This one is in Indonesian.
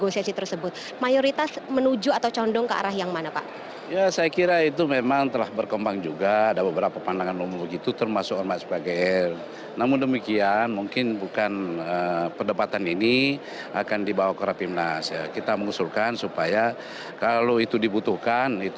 sejauh apa sampai dengan saat ini